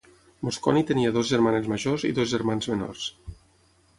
Mosconi tenia dues germanes majors i dos germans menors.